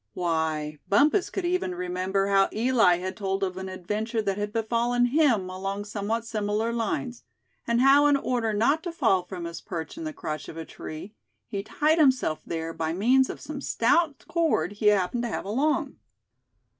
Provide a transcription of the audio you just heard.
Why, Bumpus could even remember how Eli had told of an adventure that had befallen him along somewhat similar lines; and how in order not to fall from his perch in the crotch of a tree, he tied himself there by means of some stout cord he happened to have along.